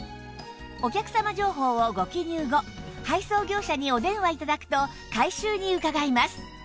お客様情報をご記入後配送業者にお電話頂くと回収に伺います